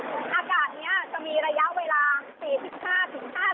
เขาจะต้องบัดดี้กันแล้วพากันลง